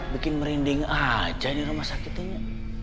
bikin merinding aja nih rumah sakitnya